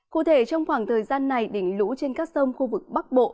cụ thể trong khoảng thời gian này đỉnh lũ trên các sông khu vực bắc bộ